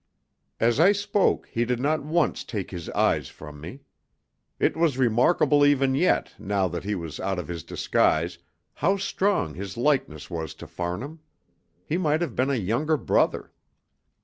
As I spoke he did not once take his eyes from me. It was remarkable even yet, now that he was out of his disguise, how strong his likeness was to Farnham. He might have been a younger brother.